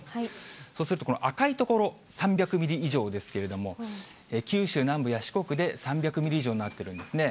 そうするとこの赤い所、３００ミリ以上ですけれども、九州南部や四国で３００ミリ以上になってるんですね。